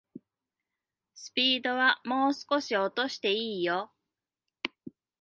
スピードはもう少し落としていいよ